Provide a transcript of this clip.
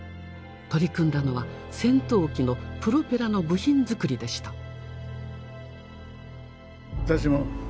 取り組んだのは戦闘機のプロペラの部品づくりでした。